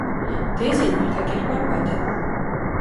Դեյզին մարդակերպար բադ է։